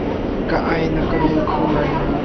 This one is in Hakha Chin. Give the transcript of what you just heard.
Ka ai na ka rawl kho lai maw?